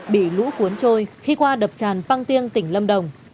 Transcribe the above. bị lũ cuốn trôi khi qua đập tràn băng tiêng tỉnh lâm đồng